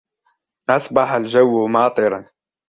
أصبح الجو ماطرا